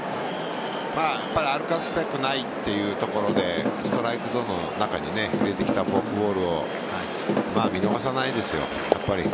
やっぱり歩かせたくないというところでストライクゾーンの中に入れてきたフォークボールを見逃さないですよ。